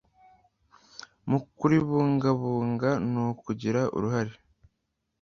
mu kuribungabunga ni ukugira uruhare